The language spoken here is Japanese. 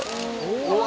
うわ！